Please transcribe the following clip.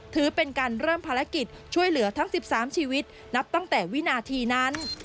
ถือเป็นการเริ่มภารกิจช่วยเหลือทั้ง๑๓ชีวิตนับตั้งแต่วินาทีนั้น